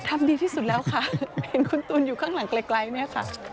ทำดีที่สุดแล้วค่ะเห็นคุณตูนอยู่ข้างหลังไกลเนี่ยค่ะ